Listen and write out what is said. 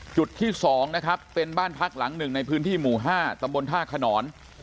จุดที่๒นะครับเป็นบ้านพักหลังหนึ่งในพื้นที่หมู่๕ตำบลท่าขนอน